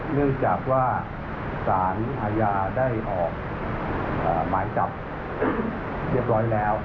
เนื่องจากว่าสารอาญาได้ออกหมายจับเป็นเรียบร้อยแล้ว